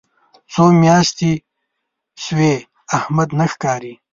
څو میاشتې شوې احمد نه ښکاري.